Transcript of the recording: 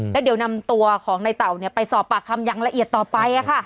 แล้วเดี๋ยวนำตัวของในเต่าไปสอบปากคำอย่างละเอียดต่อไป